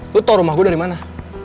lu tahu rumah gue dari mana